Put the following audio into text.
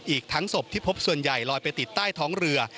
อีกทั้งศพที่พบส่วนใหญ่ลอยไปติดใต้ท้องเรือ